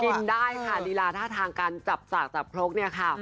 กินได้ค่ะลีลาท่าทางการจับสากจับครกเนี่ยค่ะ